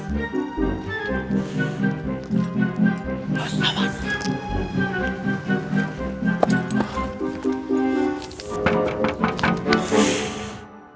dan untuk yang tetap